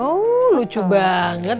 oh lucu banget